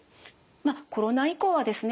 コロナ以降はですね